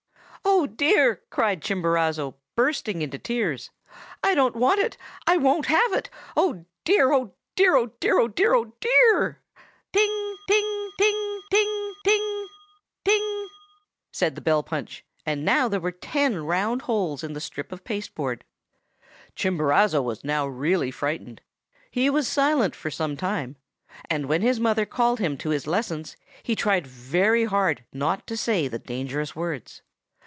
"'Oh, dear!' cried Chimborazo, bursting into tears. 'I don't want it! I won't have it! Oh, dear! oh, dear! oh, dear! oh, dear! oh, dear!!!' "Good by. Remember, only forty five!" "'Ting! ting! ting ting ting ting!' said the bell punch; and now there were ten round holes in the strip of pasteboard. Chimborazo was now really frightened. He was silent for some time; and when his mother called him to his lessons he tried very hard not to say the dangerous words.